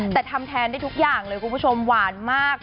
แต่ทำแทนได้ทุกอย่างเลยคุณผู้ชมหวานมาก